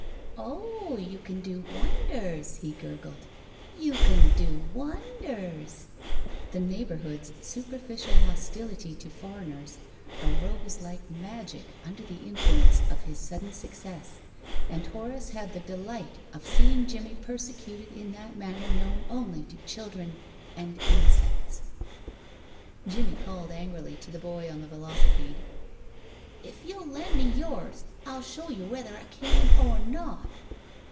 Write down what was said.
"Oh, you can do wonders!" he gurgled. "You can do wonders!" The neighborhood's superficial hostility to foreigners arose like magic under the influence of his sudden success, and Horace had the delight of seeing Jimmie persecuted in that manner known only to children and insects. Jimmie called angrily to the boy on the velocipede, "If you'll lend me yours, I'll show you whether I can or not."